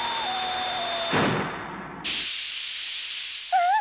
・・ああ！